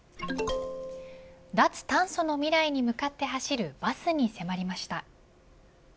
脱炭素の未来に向かって走るバスに迫りました。